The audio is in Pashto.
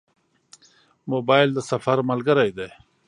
موبایل د سفر ملګری دی.